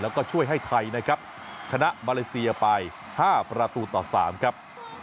แล้วก็ช่วยให้ไทยนะครับชนะมาเลเซียไป๕ประตูต่อ๓ครับ